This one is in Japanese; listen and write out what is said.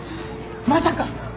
まさか！